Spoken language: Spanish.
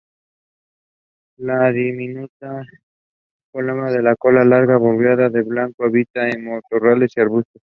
Esta diminuta paloma con cola larga bordeada de blanco, habita en matorrales y arbustos.